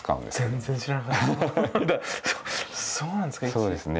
そうなんですか。